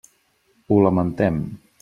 Ho lamentem.